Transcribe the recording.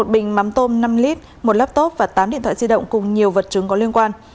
một bình mắm tôm năm l một laptop và tám điện thoại di động cùng nhiều vật chứng có liên quan